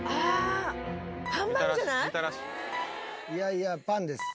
いやいやパンです。